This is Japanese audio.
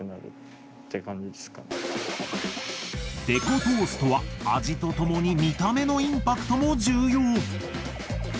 デコトーストは味とともに見た目のインパクトも重要！